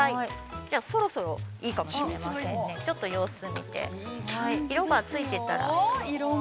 じゃあ、そろそろいいかもしれませんね、ちょっと様子見て、色がついてたら。